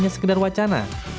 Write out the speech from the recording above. jangan hanya sekedar wacana